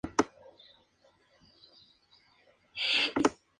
Sus padres eran Felix Reiche Grosse y Ana Elizabeth Neumann Voigt.